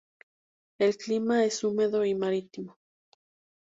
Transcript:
El clima es húmedo y marítimo.